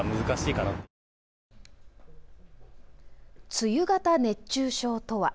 梅雨型熱中症とは。